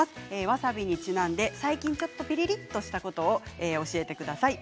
わさびにちなんで最近ピリっとしたことを教えてください。